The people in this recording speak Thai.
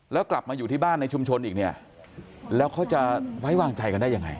แล้วกลับมาอยู่ที่บ้านในชุมชนอีกเนี่ยแล้วเขาจะไว้วางใจกันได้ยังไง